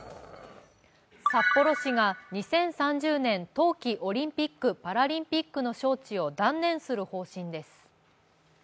札幌市が２０３０年冬季オリンピック・パラリンピックの招致を断念する方針です。